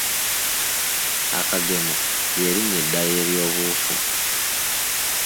Akagemo ly'erinnya eddala eryobuwufu.